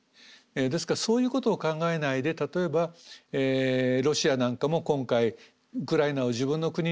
ですからそういうことを考えないで例えばロシアなんかも今回ウクライナを自分の国にしたい。